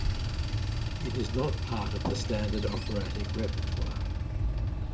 It is not part of the standard operatic repertoire.